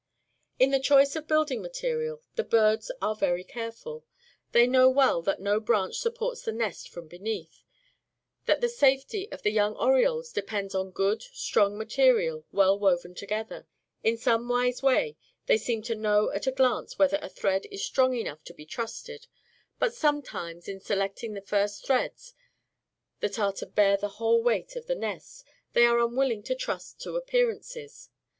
In the choice of building material the birds are very careful. They know well that no branch supports the nest from beneath; that the safety of the young orioles depends on good, strong material well woven together. In some wise way they seem to know at a glance whether a thread is strong enough to be trusted; but sometimes, in selecting the first threads that are to bear the whole weight of the nest, they are unwilling to trust to appearances.